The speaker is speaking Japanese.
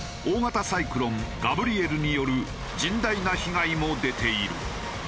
サイクロンガブリエルによる甚大な被害も出ている。